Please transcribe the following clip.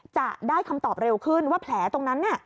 จะได้คำตอบเร็วขึ้นว่าแผลตรงนั้น